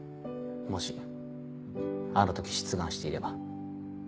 もしあの時出願していれば。